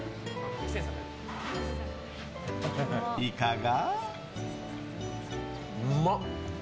いかが？